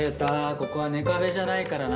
ここはネカフェじゃないからな。